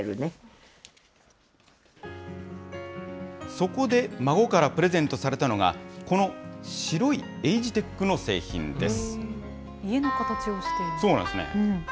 そこで、孫からプレゼントされたのが、この白いエイジテックの製品です。